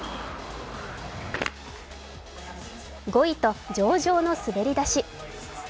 ５位と上々の滑り出し。